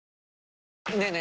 ねえねえ